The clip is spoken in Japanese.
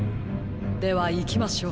ではいきましょう。